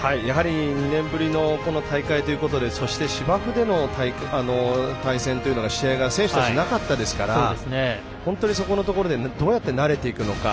２年ぶりのこの大会ということでそして芝生での対戦というのが試合が選手たちなかったですから本当に、そこのところどうやって慣れていくのか。